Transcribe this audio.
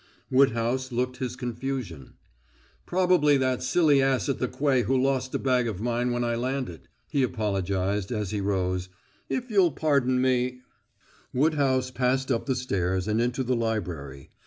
Woodhouse looked his confusion. "Probably that silly ass at the quay who lost a bag of mine when I landed," he apologized, as he rose. "If you'll pardon me " Woodhouse passed up the stairs and into the library.